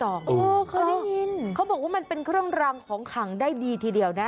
เคยได้ยินเขาบอกว่ามันเป็นเครื่องรังของขังได้ดีทีเดียวนะ